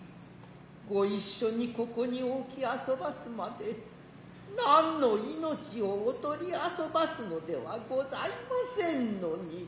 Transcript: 御一所に此処にお置き遊ばすまで何の生命をお取り遊ばすのではございませんのに。